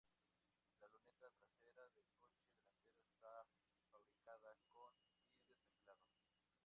La luneta trasera del coche delantero está fabricada con vidrio templado.